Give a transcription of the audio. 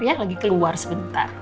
ya lagi keluar sebentar